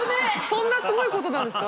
そんなすごいことなんですか？